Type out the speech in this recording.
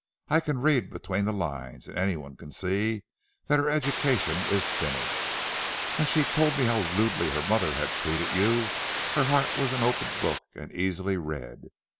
I can read between the lines, and any one can see that her education is finished. When she told me how rudely her mother had treated you, her heart was an open book and easily read.